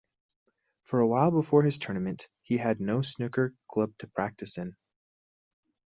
For a while before this tournament, he had no snooker club to practice in.